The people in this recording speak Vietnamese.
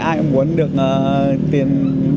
ai cũng muốn được tiền